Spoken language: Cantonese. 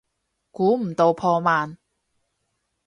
估唔到破万